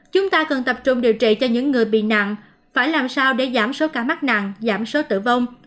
chúng ta cần tập trung điều trị cho những người bị nạn phải làm sao để giảm số ca mắc nạn giảm số tử vong